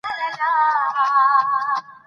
'د ادب د لوست ښځمن ليدلورى